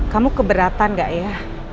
kamu keberatan gak ya